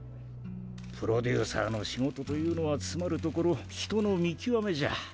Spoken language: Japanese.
プロデューサーのしごとというのはつまるところひとのみきわめじゃ。